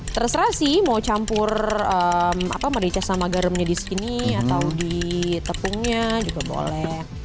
terserah sih mau campur merica sama garamnya di segini atau di tepungnya juga boleh